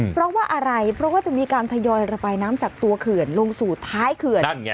เพราะว่าอะไรเพราะว่าจะมีการทยอยระบายน้ำจากตัวเขื่อนลงสู่ท้ายเขื่อนนั่นไง